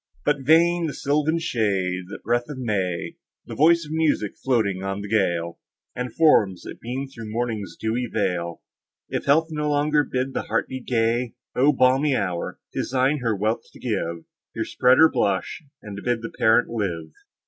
But, vain the sylvan shade—the breath of May, The voice of music floating on the gale, And forms, that beam through morning's dewy veil, If health no longer bid the heart be gay! O balmy hour! 'tis thine her wealth to give, Here spread her blush, and bid the parent live!